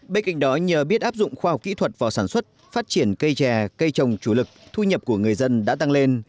bên cạnh đó nhờ biết áp dụng khoa học kỹ thuật vào sản xuất phát triển cây trè cây trồng chủ lực thu nhập của người dân đã tăng lên